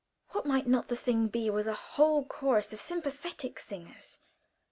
What might not the thing be with a whole chorus of sympathetic singers?